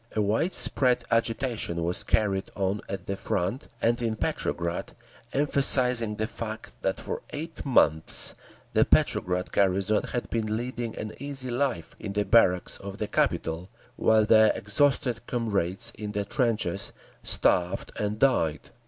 A wide spread agitation was carried on at the Front and in Petrograd, emphasizing the fact that for eight months the Petrograd garrison had been leading an easy life in the barracks of the capital, while their exhausted comrades in the trenches starved and died.